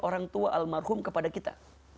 orang tua almarhum kepada kita